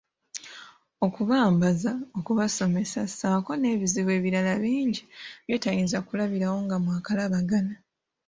Okubambaza, okubasomesa, ssaako n'ebizibu ebirala bingi by'otayinza kulabirawo nga mwakalabagana.